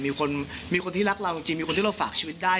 มีคนมีคนที่รักเราจริงมีคนที่เราฝากชีวิตได้